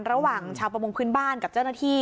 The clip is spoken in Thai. ระหว่างชาวประมงพื้นบ้านกับเจ้าหน้าที่